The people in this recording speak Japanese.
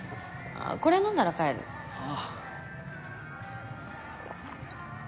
これ飲んだら帰るあぁ